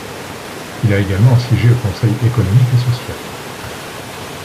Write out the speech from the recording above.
Il a également siégé au Conseil économique et social.